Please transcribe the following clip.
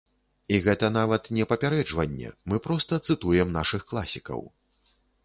І гэта нават не папярэджванне, мы проста цытуем нашых класікаў.